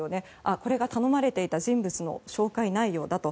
これが頼まれていた人物の照会内容だと。